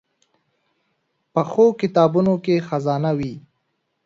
پخو کتابونو کې خزانه وي